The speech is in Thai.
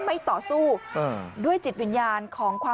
ไม่รู้อะไรกับใคร